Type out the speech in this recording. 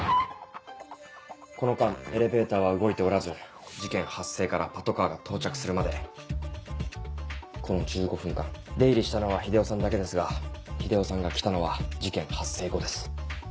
この間エレベーターは動いておらず事件発生からパトカーが到着するまでこの１５分間出入りしたのは日出夫さんだけですが日出夫さんが来たのは事件発生後です。